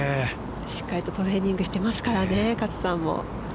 しっかりとトレーニングしてますからね、勝さんも。